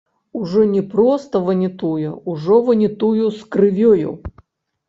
Ужо не проста ванітуе, ужо ванітуе з крывёю.